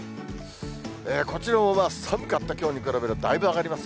こちらも寒かったきょうに比べるとだいぶ上がります。